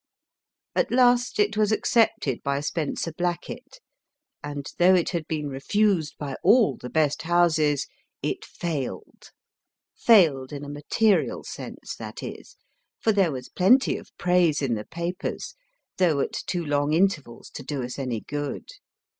At last it was accepted by Spencer Blackett, and, though it had been refused by all the best houses, it failed. Failed in a material sense, that is ; for there was plenty of praise in the papers, though at too long intervals to do us any good.